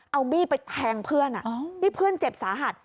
เอามีดไปแทงเพื่อนนี่เพื่อนเจ็บสาหัส